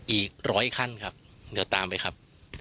อีกร้อยขั้นครับเดี๋ยวตามไปครับ